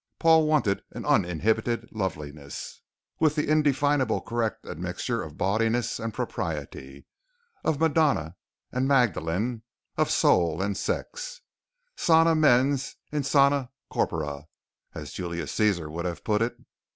Paul wanted an uninhibited loveliness, with the indefinably correct admixture of bawdiness and propriety, of Madonna and Magdalene, of soul and sex sana mens in sana corpore, as Julius Caesar would have put it.